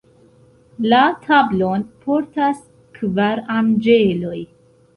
La tablon portas kvar anĝeloj.